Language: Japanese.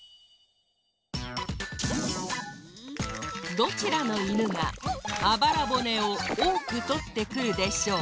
どちらのいぬがあばら骨をおおくとってくるでしょう？